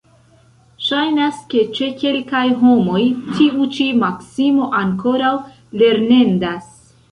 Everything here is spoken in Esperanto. Ŝajnas, ke ĉe kelkaj homoj tiu ĉi maksimo ankoraŭ lernendas.